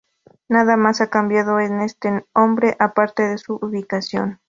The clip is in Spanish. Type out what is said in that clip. Nada más ha cambiado en este hombre, aparte de su ubicación.